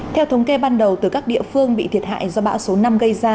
theo thống kê ban đầu từ các địa phương bị thiệt hại do bão số năm gây ra